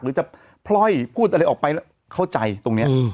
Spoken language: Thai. หรือจะพล่อยพูดอะไรออกไปแล้วเข้าใจตรงนี้